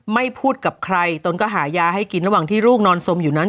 พูดกับใครตนก็หายาให้กินระหว่างที่ลูกนอนสมอยู่นั้น